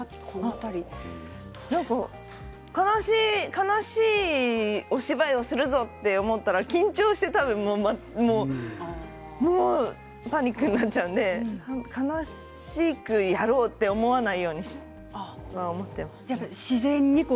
悲しいお芝居をするぞと思ったら、緊張してもうパニックになっちゃうので悲しくやろうと思わないようにとは思ってます。